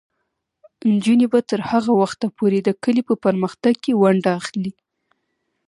نجونې به تر هغه وخته پورې د کلي په پرمختګ کې ونډه اخلي.